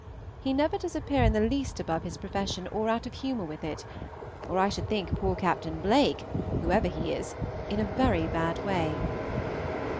He never does appear in the least above his profession or out of humor with it, or I should think poor Captn. Blake, whoever he is, in a very bad way.